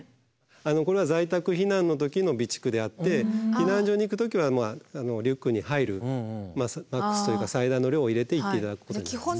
これは在宅避難の時の備蓄であって避難所に行く時はリュックに入るマックスというか最大の量を入れて行って頂くことになります。